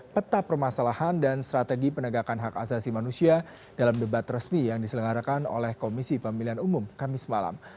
peta permasalahan dan strategi penegakan hak asasi manusia dalam debat resmi yang diselenggarakan oleh komisi pemilihan umum kamis malam